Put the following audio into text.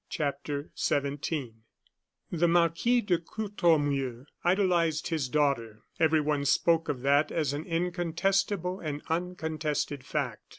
CHAPTER XVII The Marquis de Courtornieu idolized his daughter. Everyone spoke of that as an incontestable and uncontested fact.